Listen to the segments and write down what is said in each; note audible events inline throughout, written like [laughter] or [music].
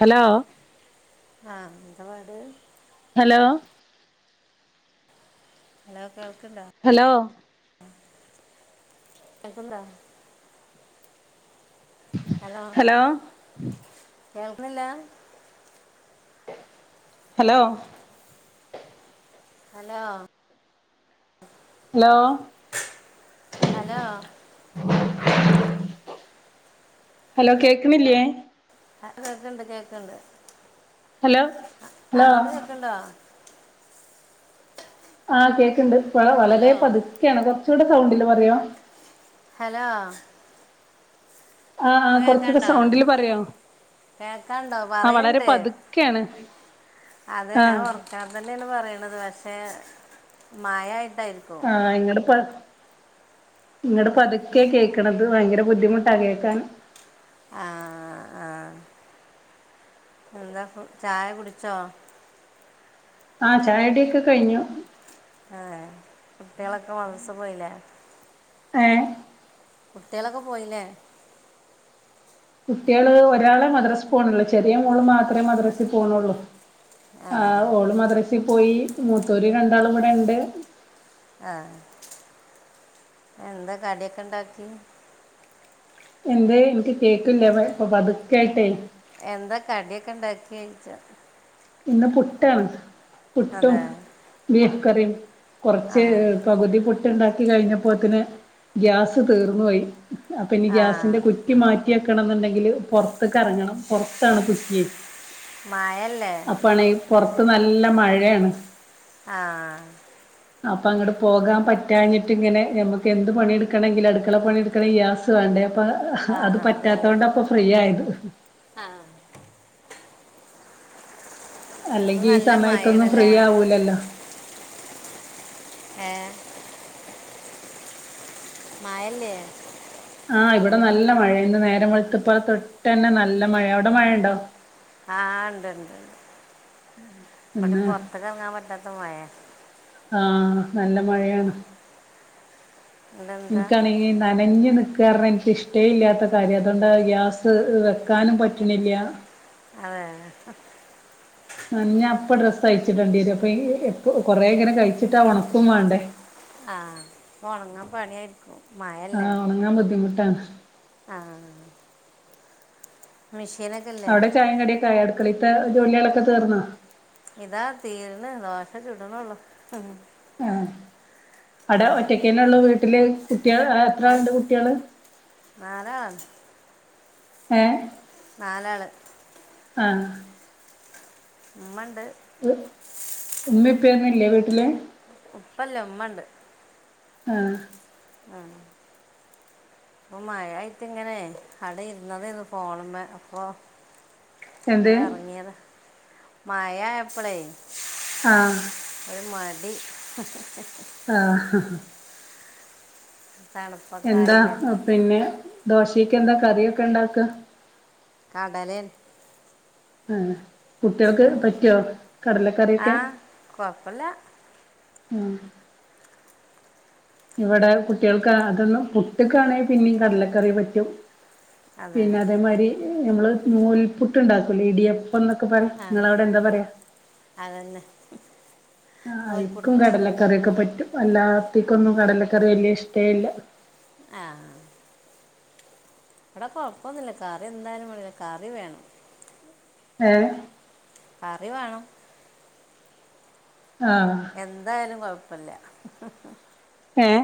Hello ആ എന്താ പാട് ഹലോ ഹലോ കേൾ ഹലോ [unintelligible] റാ ഹലോ കേൾക്കുന്നില്ല hello hello hello hello hello കേക്കണില്ലേ ആ കേക്ണ്ട് കേക്കണ്ട് ഹലോ ഹലോ ആഹ കേൾക്കണ്ട് വളരെ ഹലോ പതുക്കെയാണ് കുറച്ചൂടെ സൗണ്ടില് പറയാോ ഹലോ ആഹ് ആ ഇപ്പം കൊറച്ചൊക്ക കേൾക്കണ്ടോ സൗണ്ടില് പറയാ കേൾക്കണ്ടോ ആ വളരെ പറയുന്നുണ്ട് പതുക്കെയാണ് അതെ ഞാൻ ആഹ് ഉറക്കെ തന്നെയാണ് പറയണത് പക്ഷെ മഴ ആയി ആഹ് ഇങ്ങടെപ്പ നിങ്ങുടെ പതുക്കെ കേക്കണത് ഭയങ്കര ബുദ്ധിമുട്ടാ കേക്കാൻ ആഹ ആ എന്താ ചായ കുടിച്ചോ ആഹ ചായടിയൊക്കെ കഴിഞ്ഞു ആഹ കുട്ടികളൊക്കെ മദ്രസ പോയിലെ ഏ കുട്ടികളൊക്കെ പോയില്ലേ കുട്ടികള് ഒരാളെ മദ്രസ പോണുള്ളൂ ചെറിയ മോള് മാത്രമേ മദ്രസ പോണള്ളൂ ആ് അതെ ഓള് മദ്രസിൽ പോയി മൂത്തൂര് രണ്ടാളും ഇവിടെ ഉണ്ട് ആഹ എന്താ കടിയൊക്കെ ഉണ്ടാക്കണ് എന്താ എനിക്ക് കേക്കില്ല ഇപ്പൊ പതുകെ ആയിട്ട് എന്താ കടിയൊക്കെ ഉണ്ടാക്കിയ ചോയിച്ച ഇന്ന് പുട്ടാണ് പുട്ടും അതെ ബീഫ് കറിയും കുറച്ച് അതെ പകുതി പുട്ടുണ്ടാക്കി കഴിഞ്ഞപ്പോത്തിന് ഗ്യാസ് തീർന്നു പോയി ഇനി ആ ഗ്യാസിന്റെ കുറ്റി മാറ്റാണ് മാറ്റണം എന്നുണ്ടേൽ പുറത്തിക് ഇറങ്ങണം പുറത്ത് ആണ് കുറ്റി മഴയല്ലേ ഇപ്പോണേൽ പുറത്ത് നല്ല മഴയാണ് ആഹ അപ്പൊ അങ്ങട്ട് പോകാൻ പറ്റാിഞ്ഞിട്ട് ഇങ്ങനെ നമുക്ക് എന്ത് പണിെടുക്കണമെങ്കിൽ അടുക്കള പണിയെടുക്കണമെങ്ക ഗ്യാസ് വേണ്ടേ അപ്പ ആ അത് അതെ പറ്റാത്ത അതെ കൊണ്ടഇപ്പൊ ഫ്രീ ആയത് ആ ഇന്ന് അല്ലെങ്കി ഈ നല്ല സമയത്തൊന്നും ഫ്രീ മഴയാണല്ലേ ആവൂലല്ലോ എഏ മഴല്ലെ ആഹ് ഇവിടെ നല്ല മഴ ഇന്ന് നേരം വെളുത്തുപ്പം തൊട്ട് തന്നെ നല്ല മഴ അവിടെ മഴയുണ്ടോ ആഹ് ഉണ്ടുണ്ട് ഇവിടെ ഇന്ന് പുറത്ത് ഇറങ്ങാൻ പറ്റാത്ത മഴ ആണ് ആഹ നല്ല മഴയാണ് ഇതെന്താ എനിക്കാണെങ്കിൽ നനഞ്ഞു നിൽക്കുന്ന കാരണം എനിക്കിഷ്ട്ടെ ഇല്ലാത്ത കാര്യം അതുകൊണ്ട് ഗ്യാസ് വെക്കാനും പറ്റണില്ല അതെെ ന്ന ഞാനിപ്പം ഡ്രസ്സ് അഴിച്ചിട്ടേണ്ടിവരും അപ്പൊ കൊറെേ ഇങ്ങനെ കഴിച്ചിട്ടാ ഉണക്കും വേണ്ടേ ആഹ് ഉണങ്ങാൻ പണിയായിരിക്കും ആഹ് ഉണങ്ങാൻ ബുദ്ധിമുട്ടാണ് ആഹ അവിടെ ചായ കടിയൊക്കെ ആയോ അടുക്കളത്തെ ജോലികളൊക്കെ തീർന്നോ ഇതാ തീരുന്നു ദോശ ചുടുന്നുള്ളു ആ അടെ ഒറ്റക്കന്നെള്ളു വീട്ടില് കുട്ട്യാള് ഏ എത്രാള്ണ്ട് കുട്ടിയാള് നാലാളാണ് ഏ നാലാള് ആ മ്മണ്ട് മ്മി ഇപ്പന്നുല്ലേ വീട്ട്ല് പ്പല്ല ഉമ്മണ്ട് ആ ആ പ്പൊ മഴായിട്ട്ങ്ങനെ കട ഇരുന്നതെന്ന് ഫോൺമെ പ്പൊ എന്ത് ങ്ങനെർങ്ങിയത് മയാഎപ്പളേ ആ ആഹ തണുപ്പൊക്കെ എന്താ ആയില്ലേ പിന്നെ ദോശേക്കെന്താ കറിയൊക്കെണ്ടാക്ക കടലൻ ആഹ് കുട്ടിൾക്ക് പറ്റോ ആ കടലക്കറിയൊക്കെ കുഴപ്പമില്ല ഉം ഇവിടെ കുട്ടിൾക്ക് അതൊന്നും പുട്ടിക്കാണെ പിന്നെയും കടലക്കറി പറ്റും അതെ പിന്നെ അതേമാരി നമ്മള് നൂൽപുട്ട്ണ്ടാക്കുലെ ഇടിയ പ്പന്നൊക്കെ പറിം ആ ങ്ങളവിടെന്താ പറയാ അതന്നെ ആഹ് ഇക്കും നൂൽപുട്ട് കടലക്കറിയൊക്കെ പറ്റും അല്ലാത്തിക്കൊന്നും കടലക്കറി വല്ല്യ ഇഷ്ടേ ഇല്ല ആഹ് വിടെ കൊഴപ്പൊന്നുല്ല കറി എന്തായാലും മാണ്ടില്ല കറി വേണം ഏയ് കറി വേണം ആഹ് എന്തായാലും കൊഴപ്പല്ല ഏയ്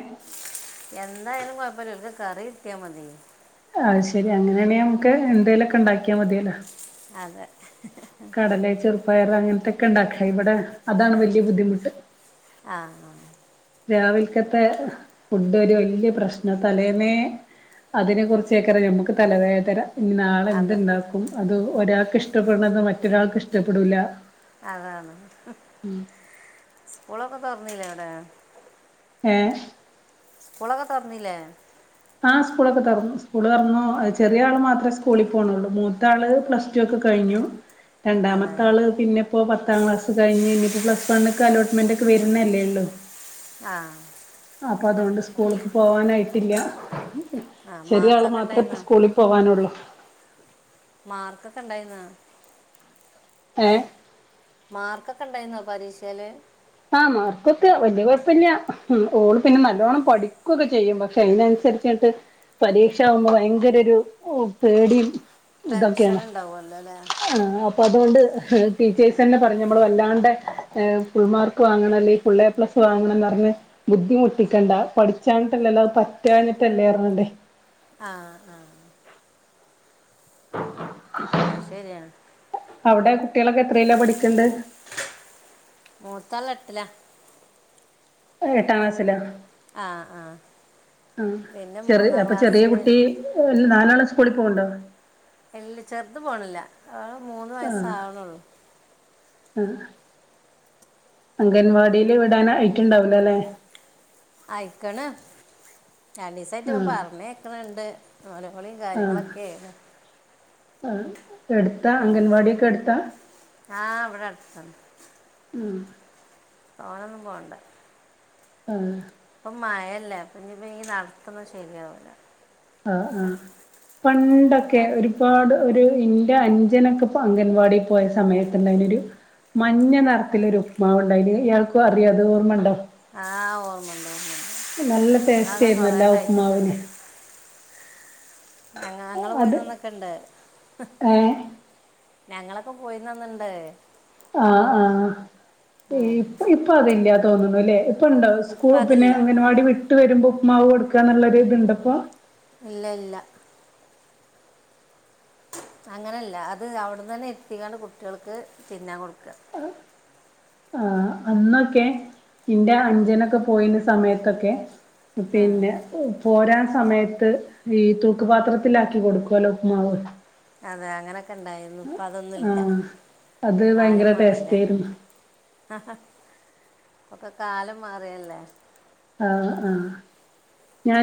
എന്തായാലും കുഴപ്പല്ലൽക്ക് കറി കിട്ടിയാ മതി അയ് ശെരി അങ്ങനെയാണെിൽ നമുക്ക് എന്തേലുമൊക്കെ ഉണ്ടാക്കിയാ മതിയല്ലോ അതെ കടല ചെറുപ്പയർ അങ്ങനത്തൊക്കെ ഇണ്ടാക്കാ ഇവിടെ അതാണ് വല്ല്യ ബുദ്ധിമുട്ട് ആഹ് ആഹ് രാവിൽക്കത്തെ ഫുഡൊരു വല്ല്യ പ്രശ്നാ തലേന്നേ അതിനെ കുറിച്ചേക്കറിയാം നമക്ക് തലവേതന ഇനി നാളെ അതെ എന്ത്ണ്ടാക്കും അത് ഒരാക്ക് ഇഷ്ടപ്പെട്ണത് മറ്റൊരാൾക്ക് ഇഷ്ടപ്പെടൂല. അതാണ് സ്കൂളൊക്കെ തോറന്നിലവിടെ ഏഹ് സ്ക്കൂളൊക്കെ തൊർന്നിലെ ആ സ്കൂളൊക്കെ തൊർന്ന് സ്കൂള് തൊറന്നൂ ചെറിയ ആള് മാത്രേ സ്ക കൂളിൽ പോണോള്ളൂ മൂത്താള് പ്ലസ് ടു ഒക്കെ കഴിഞ്ഞു. അതെ രണ്ടാമത്തെ ആള് പിന്നിപ്പോ പത്താം ക്ലാസ് കഴിഞ്ഞ് നി പ്ലസ് വൺക്കലോട്ട്മെന്റ് ഒക്കെ വരുന്നല്ലേള്ളു ആഹ് പ്പ അതുകൊണ്ട് സ്കൂള്ക്ക് പോകാനായിട്ടില്ല ആ ചെറിയാള് മാർക്കൊക്കെ മാത്രേപ്പ ഉണ്ടായിരുന്നോ സ്കൂളി പോവാനുള്ളു മാർക്കൊക്കെണ്ടായിര്ന്നാ ഏഹ് മാർക്കൊക്കെ ഇണ്ടായിര്ന്നോ പരീക്ഷേല് ആഹ് മാർക്കൊക്കെ വല്യ കുഴപ്പല്ല. ഓള് പിന്നെ നല്ലോണ്ണം പഠിക്കൊക്കെ ചെയ്യും പക്ഷെ അയ്നൻസ [unintelligible] പരീക്ഷാകുമ്പോ ഭയങ്കര ഒരു പേടിയും ടെൻഷൻ ഇതൊക്കെയാണ്. ഉണ്ടാവുമല്ലോ അല്ലേ ആ അപ്പൊ അതുകൊണ്ട് ടീച്ചേഴ്സ് തന്നെ പറഞ്ഞു നമ്മൾ വല്ലാണ്ടെ ഫുൾ മാർ വാങ്ങണം അല്ലെങ്ക പുള്ളയ പ്ലസ് ക്ക് വാങ്ങണം അല്ലെ ഫുൾ എ പ്ലസ് വാങ്ങണം ന്ന് പറഞ് ബുദ്ധിമുട്ടിക്കണ്ട പഠിച്ചാഞ്ഞിട്ടല്ലല്ലൊ പറ്റാഞ്ഞ് ട്ടല്ലേ പറഞ്ഞാണ്ടെ ആഹ് ആഹ് അത് ശരിയാണ് കുട്ടിയേളൊക്കെ എത്രേല്ലാ പഠിക്കണ്ട് മൂത്താള് എട്ടില എട്ടാം ക്ലാസ്സില ആ ആ അഹ് പിന്നെ ചെർ മൂന്നാം അപ്പൊ ചെറ്യേ ക്ലാസ്സിൽ കുട്ടി നാലാള് സ് കൂളി പോവ്ണ്ടോ ഇല്ല ചെറ്ത് പോണില്ല അത് മൂന്ന് വയസാവ്ണൊള്ളു ആഹ് അംഗൻവാടിയില് വിടാൻ ആയിട്ട്ണ്ടാവൂല ലേ ആയിക്ക്ണ് രണ്ടീസായിട്ട് ആ ഇപ്പൊ പറഞ്ഞേക്ക്ണിണ്ട് നൊലോളിം കാര്യങ്ങളൊക്കേണ് ആഹ് എടുത്താ അംഗൻവാടിയൊക്കെ എടുത്താ ആ ആ ഇവിടെ അടുത്താണ് ഉം തോനൊന്നും പോണ്ട ആഹ് ഇപ്പ മഴല്ലേ അപ്പഞ്ഞ്പ്പം ഈ നടത്തൊന്നും ശരിയാവൂല ആ ആഹ് പണ്ടൊക്കെ ഞങ്ങൾക്ക് ഒരുപാട് ഒരു ഇന്റെ അഞ്ചനൊക്കപ്പ അംഗൻവാടി പോയ സമയത്ത് ഇണ്ടായ്നി ഒരു മഞ്ഞ നറത്തിലൊരു ഉപ്പ്മാവ് ഇണ്ടായിനി ഇയാൾക്കു അറിയൊ അത് ഓർമ്മണ്ടോ ആഹ് ഓർമ്മണ്ട് ഓർമ്മണ്ട് നല്ല ഞാ ടേസ്റ്റ് ഒക്കെ കൊറേ ആയിരുന്നല്ലോ ആ കഴിച്ചിട്ടുണ്ട് ഉപ്പ്മാവിന് [unintelligible] ഇങ്ങള് അത് പോയിര്ന്ന അന്നൊക്കണ്ടത് ഏഹ് ഞങ്ങളൊക്കെ പോയിര്ന്ന അന്ന്ണ്ടത് ആഹ് ആഹ് ഉം. ഈപ്പ ഇപ്പ അതില്ല തോന്നുന്നുല്ലെ ഇപ്പണ്ടോ ഇപ്പം സ്കൂൾ പിന്നെ അതില്ല അംഗനവാടി വിട്ട് വരുമ്പോ ഉപ്പ്മാവ് കൊടുക്കാന്നുള്ള ഒര് ഇത്ണ്ടപ്പൊ ഇല്ല ഇല്ല അങ്ങനെല്ല അത് അവിടന്നന്നെ ഇര്ത്തിക്കാണ്ട് കുട്ട്യള്ക്ക് തിന്നാൻ കൊടുക്ക ആഹ് അന്നൊക്കെ ഇന്റെ അഞ്ചനൊക്കെ പോയിന്യ സമയത്തൊക്കെ ഉം. പിന്നെ പോരാൻ സമയ ത്ത് ഈ തൂക്കുപാത്രത്തിലാക്കി കൊടുക്കുവല്ലോ ഉപ്പ്മാവ് അതെ അങ്ങനൊക്കെ ഇണ്ടായിരുന്നു ഇപ്പൊ അതൊന്നുല്ല ആഹ് അത് ഭയങ്കര ടേസ്റ്റേരുന്നു ഒക്കെ കാലം മാറിയല്ലേ ആ ആ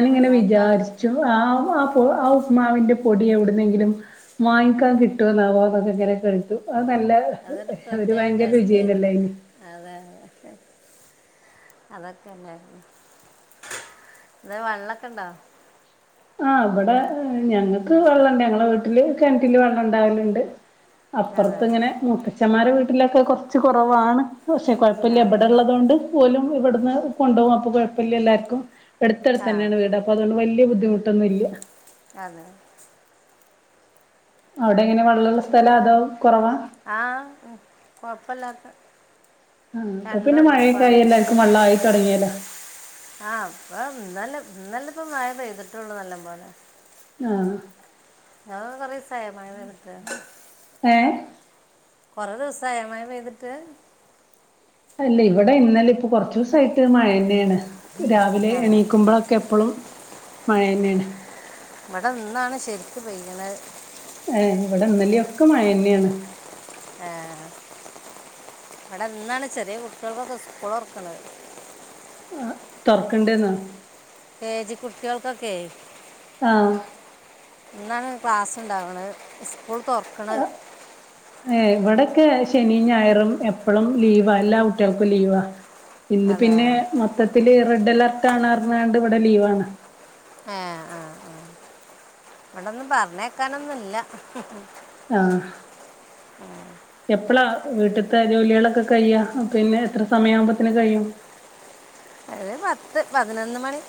അപ്പം എല്ലാവർക്കും വിചാരിച്ചു ആഹ് ആഹ് ആ ഉപ്പ്മാവിന്റെ പൊടി എവിട്ന്നെങ്കിലും വാങ്ങിക്കാൻ കിട്ടൊന്നാവൊ അതൊക്കെങ്ങനെ കേട്ടു അതൊരു പ്രത്യേക ടേസ്റ്റ് ആയിരുന്നു രുചിയന്നല്ലേയ്ന് അതെ [unintelligible] അതൊക്കണ്ടായിരുന്നു വെ വെള്ളൊക്കണ്ടോ ആ ഇവടെ ഞങ്ങക്ക് വെള്ളണ്ട് ഞങ്ങളെ വീട്ടില് കെണറ്റില് വെള്ളം ഇണ്ടാവല്ണ്ട് അതെ അപ്പുറത്ത് ഇങ്ങനെ മൂത്തച്ന്മാരെ വീട്ടിലൊക്കെ കൊറച്ച് കൊറവാണ് പക്ഷെ ആ കൊഴപ്പല്ല ഇബടെ ഇള്ളതുകൊണ്ട് ഓലും ഇബട്ന്ന് കൊണ്ടോവും അപ്പൊ കൊഴപ്പല്ല എല്ലാർക്കും എടുത്ത് ആ അടുത്തന്നെയാണ് വീട് അപ്പൊ അതോണ്ട് വല്ല്യ ബുദ്ധിമുട്ടൊന്നുല്ല അതെ അവിടെങ്ങനെ വെള്ളള്ള സ്ഥലൊ അതോ കൊറവാ ആഹ് മ് കൊഴപ്പല്ലാത്ത ആഹ് ഇപ്പൊ പിന്നെ മഴയൊക്കായി എല്ലാർക്കും വെള്ളായി തൊടങ്ങിയല്ലോ ഇന്നല്ലെപ്പ മഴ പെയ്തിട്ടൊള്ളൂ നല്ലംപോലെ ആഹ് ഇങ്ങള്കൊക്കെ കൊറേ ദിവസായോ മഴ പെയ്തിട്ട് ഏ കൊറെ ദിവസായൊ മഴ പെയ്തിട്ട് അല്ലെ ഇവിടെ ഇന്നലെ ഇപ്പൊ കൊറച്ചോസായിട്ട് മഴന്നേണ് രാവിലെ അതെ എണീക്കുമ്പോളൊക്കെ എപ്പളും മഴന്നേണ് ഇവിടെ ഇന്നാണ് ശരിക്കും പെയ്യ്ണെ ഏ ഇവിടെ ഇന്നലൊക്കെ മഴന്നേണ് ഏഹ് ഇവിടെന്നാണ് ചെറിയ കുട്ട്യള്ക്കൊക്കെ സ്കൂളൊറക്ക്ണത് തൊറ്ക്ക്ണ്ടന്നൊ കെ ജി കുട്ട്യള്ക്കൊക്കെ ആഹ് ഇന്നാണ് ക്ലാസ്സുണ്ടാവണെ സ്കൂൾ തൊറ്ക്ക്ണെ ഏ ഇവിടെയൊക്കെ ശനിയും ഞായറും എപ്പഴും ലീവാ എല്ലാ കുട്ടികൾക്കും ലീവാവാ ഇന്ന് അതെ പിന്നെ മൊത്തത്തില്ൽ റെഡ് അലർട്ട് കാണർുന്നണ്ട് ഇവിടെ ലീവാണ് ആഹ ആഹ ആ ഇവിടൊന്നും പറഞ്ഞേക്കാനൊന്നുംല്ല ആഹ എപ്പഴാ വീട്ടത്തെ ജോലികളൊക്കെ കഴ്യാ പിന്നെ എത്ര സമയ ആകുമ്പോത്തന് കഴിയും അത് പത്ത് പതിനൊന്ന് മണി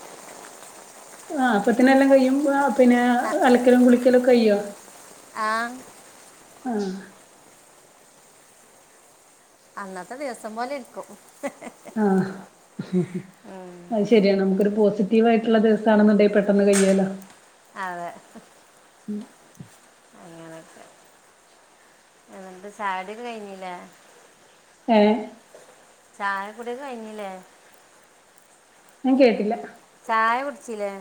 ആ അപ്പത്തിന എല്ലാം കഴിയും പിന്നെ ആ, അലക്കലും കുളിക്കലൊ ഒക്കെ കയ്യോ ആ ആഹ അന്നത്തെ ദിവസം പോലെ എടുക്കും ആഹ അത് ശരിയാണ് നമുക്കരു പോസിറ്റ അതവായിട്ടുള്ള ദിവസാണെന്നുണ്ടേ പെട്ടെന്ന് കയ്യല്ലോ അതെ ഉം അങ്ങനെയൊക്കെ എന്താ ചായ കുടി ഒക്കെ കഴിഞ്ഞില്ലേ ഏ ചായ കുടി ഒക്കെ കഴിഞ്ഞില്ലേ ഞാ കേട്ടില്ല ചായ കുടിച്ചില്ലേ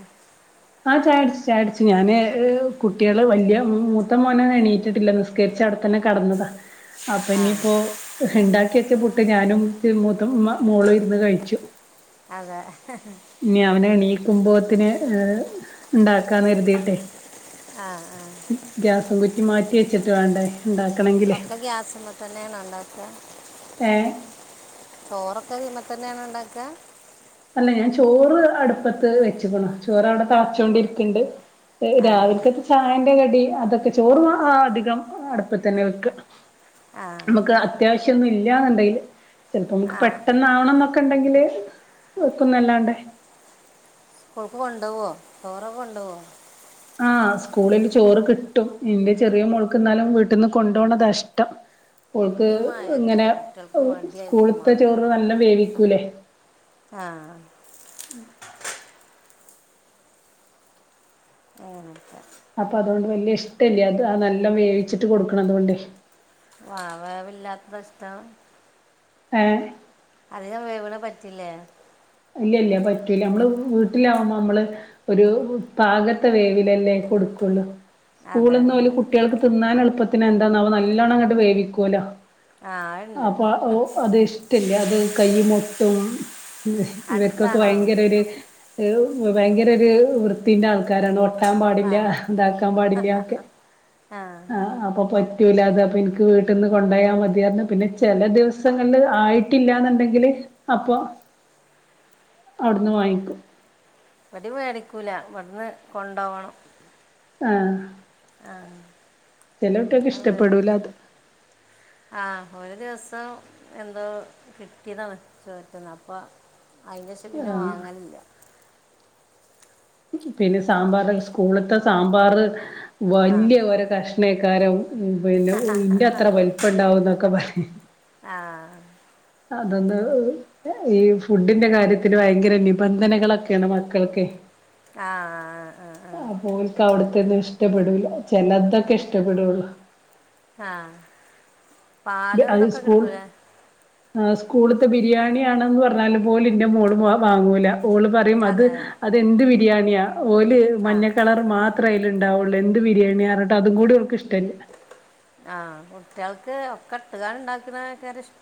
ആ് ചാടച്ചു ചാടിച്ചു ഞാാന് കുട്ടികള് വല്ിയ മൂത്തം മോന എണീറ്റിട്ടില്ല നിസ്കരിച്ചട തന്നെ കടന്നതാ അപ്പൊ ആ ഇനിയിപ്പോൊ ഹിണ്ടാക്കി വെച്ച പുട്ട് ഞാനും മൂത്ത മോളും ഇരുന്ന് കഴിച്ചു അതെ ഇനി അവന എണീക്കുമ്പോത്തിന് ർ ഉണ്ടാക്കാന്ന് കരുതിീട്ടെ ആഹ ആ കുറ്റി മാറ്റി വെച്ചിട്ട വേണ്ടേ ഇണ്ടാക്കണെങ്കിലേ ഒക്കെ ഗ്യാസ്പ തന്നെയണ ഉണ്ട ഏഹ് ചോറൊക്കെ തന്നെയാണ് ഉണ്ടാക്കുക അല്ല ഞാൻ ചോറ് അടുപ്പത്ത് വെച്ചു പോണ ചോറ് അവിടെ തളച്ചൊണ്ടിരിക്കണ്ട് അതെ രാവിലക്ക ചായന്റെ കടി അതൊക്കെ ചോറ് അധികം അടപ്പ തന്നെ വെക്ക ആ നമുക്ക് അത്യാവശ്യൊന്നും ഇല്ലന്നുണ്ടെങ്കില് ചിലപ്പോ നമുക്ക് ആ പെട്ടെന്ന്ാവണം എന്നൊക്കെ ണ്ടെങ്കില് വക്കുന്നല്ലാണ്ടേ സ്കൂൾക്ക് കൊണ്ടുപോവുക ചോറൊക്കെ കൊണ്ടുപോവോ ആഹ് സ്കൂളില് ചോറ് കിട്ടും ഇന്റെ ചെറിയ മോൾക്കെന്നാലും വീട്ടിൽന്ന് കൊണ്ടൊണ താ ഇഷ്ടം ഓൾക്ക് ഈ ഇങ്ങനെ മഴയൊക്കെയല്ലേ കുട്ടികൾക്ക് മടിയായിരിക്കും സ്കൂളത്തെ ചോറ് നല്ല വേവിക്കൂലേ ആഹ് [inaudible] അപ്പൊ അതുകൊണ്ട് വല്യ ഇഷ്ടല്ല്യാ അത് നല്ല വേവിച്ചിട്ട് കൊടുക്കണം അതുകൊണ്ടെ വാവ വല്ലാത്തിഷ്ടം ഏഹ് അധികം വേവണ പറ്റില്ലേ ഇല്ല ഇല്ല പറ്റൂല അമ്മള് വീട്ടിലാകുമ്പോ അമ്മള് ഒരു പാകത്തെ വേവിലല്ലേ കൊടുക്കൊള് അതെ സ്കൂളിൽന്ന് പോല അതെ കുട്ടികൾക്ക് തിന്നാൻ എളുപ്പത്തിനന് എന്താന്നാവ നല്ലോണ്ണം അങ്ങോട്ട് വേവിക്കുവല്ലോ ആ ഉണ്ട് അപ്പൊ ഓ അത് ഇഷ്ടല്ലേ അത് കൈ മൊട്ടും ഇവർക്കൊക്കെ അടുത്താണോ ഭയങ്കര ഒരു ഭയങ്കര ഒരു വൃത്തിന്റെ ആൾക്കാരാണ് ഒ കട്ടാൻ ആ പാടില്ല ഇതാക്കാൻ പാടില്ല ഒക്കെ ആ അപ്പൊ പൊ പറ്റല്ലാതെ അപ്പോ ഇനിക്ക് വീട്ടിന്ന് കൊണ്ടോയ മതിയാർന്ന് പിന്നെ ചില ദിവസങ്ങളിൽ ആയിട്ടില്ലാന്നുണ്ടെങ്കില് അപ്പൊ അവിടുന്ന് വാങ്ങിക്കും ഇവിടെ മേടിക്കൂല ഇവിടുന്ന് കൊണ്ടോവണം ആഹ് ആഹ് ചില കുട്ടികൾകൊക്കെ ഇഷ്ടപ്പെടൂല അത് ആഹ് ഒരു ദിവസം എന്തോ കിട്ടിയതാണ് ചോറ്റുന്ന അപ്പൊ അയിന് ശേഷം പിന്നെ ആ വാങ്ങലില്ല പിന്നെ സാമ്പാറ് സ്കൂളത്തെ സാമ്പാർ ആ വലിയ ഓരോ കഷ്ണ കാരം ഉ പിന്നെ ഇന്റെ അത്ര വലിപ്പം ഉണ്ടാവുംന്നൊക്കെ പറ ആ അതൊന്ന് ഈ ഫുഡിന്റെ കാര്യത്തിന് ഭയങ്കര നിബന്ധനകളൊക്കെയാണ് മക്കൾക്കെ ആ ആ ആ പോലിക്ക അവിടുത്ത്ന്ന് ഇഷ്ടപ്പെടൂല ചെലദൊക്കെ ഇഷ്ടപ്പെടുള്ളു ആഹ പാലും അത് എന്തൊക്കെ സ്കൂൾ കിട്ടൂലേ ആഹ് സ്കൂളത്തെ ബിരിയാണിയാണെന്ന് പറഞ്ഞാല് പോലും ഇൻ്റെ മോളും വാങ്ങൂല്ല ഓള് പറയും അത് അതെ അതെന്ത് ബിരിയാണിയാ ഓല് ആ മഞ്ഞക്കളർ മാ അത്രേ അയിലുണ്ടാവുള്ളു എന്ത് ബിരിയാണിയാണ്ന്ന് അറിഞ്ഞിട്ട് അതും കൂടി അവക്ക് ഇഷ്ടല്ല്യ ആഹ് കുട്ടികൾക്ക് ഒക്കെ ഇട്ടുകൻ ഉണ്ടാക്കണതൊക്കെയാണിശ്